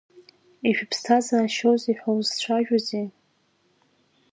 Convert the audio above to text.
Ишәыԥсҭазаашьоузеи ҳәа узцәажәоузеи?